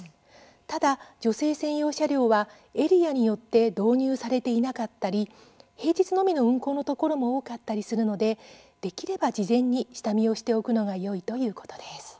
ただ、女性専用車両はエリアによって導入されていなかったり平日のみの運行のところも多かったりするのでできれば事前に下見をしておくのがよいということです。